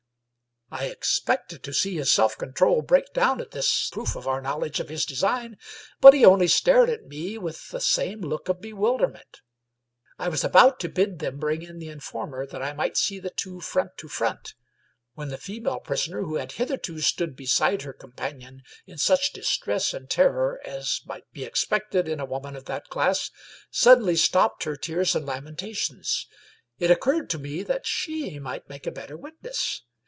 I expected to see his self control break down at this proof of our knowledge of his design, but he only stared at me with the same look of bewilderment. I was about to bid them bring in the informer that I might see the two front to front, when the female prisoner, who had hitherto stood beside her companion in such distress and terror as might be expected in a woman of that class, sud denly stopped her tears and lamentations. It occurred to me that she might make a better witness.